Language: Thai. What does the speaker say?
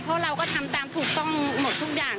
เพราะเราก็ทำตามถูกต้องหมดทุกอย่าง